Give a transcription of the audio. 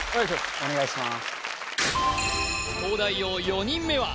お願いします